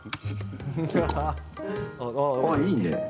あ、いいね。